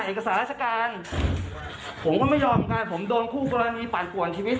เอกสารราชการผมก็ไม่ยอมเหมือนกันผมโดนคู่กรณีปั่นป่วนชีวิต